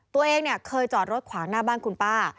ตัวเองเนี่ยเคยจอดรถขวางหน้าบ้านคุณป้า